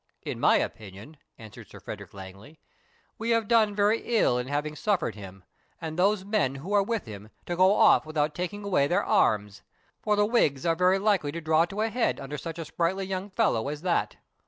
"In my opinion," answered Sir Frederick Langley, "we have done very ill in having suffered him, and those men who are with him, to go off without taking away their arms; for the Whigs are very likely to draw to a head under such a sprightly young fellow as that."